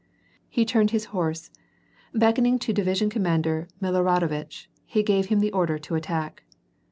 He turned his horse, beckoning to Division Commander Miloradovitch, he gave him the order to attack.